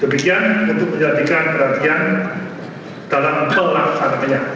demikian untuk menyatakan perhatian dalam pelaksananya